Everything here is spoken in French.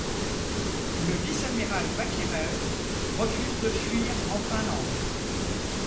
Le vice-amiral Bakhirev refuse de fuir en Finlande.